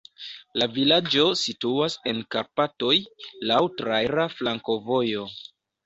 La vilaĝo situas en Karpatoj, laŭ traira flankovojo.